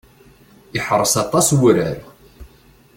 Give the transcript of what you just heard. Iḥreṣ aṭas wurar.